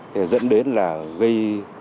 thế dẫn đến là gây